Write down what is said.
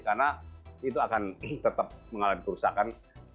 karena itu akan tetap mengalami kerusakan